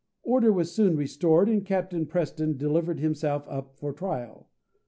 Order was soon restored, and Captain Preston delivered himself up for trial.